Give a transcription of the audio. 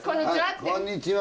「こんにちは」